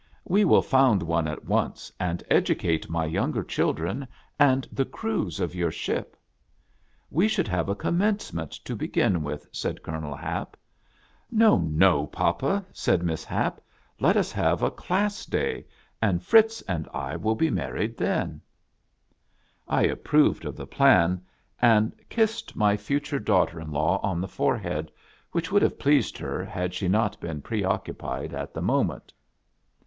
We will found one at once, and educate my younger children, and the crews of your ship." "We should have a commencement to begin with," said Colonel Hap. " No, no, papa !'' said Miss Hap ; "let us have a Class Dav, and Fritz and I will be married then \" I approved of the plan, and kissed my future 24 THE NEW SWISS FAMILY ROBINSON. daugliter in Iaw on the forehead, which would have pleased her, had she not been preoccupied at the moment.